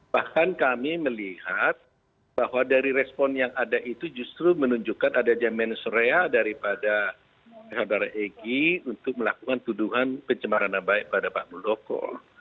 bahkan kami melihat bahwa dari respon yang ada itu justru menunjukkan ada jaminan suraya daripada rakyat egi untuk melakukan tuduhan pencemaran baik pada pak mudoko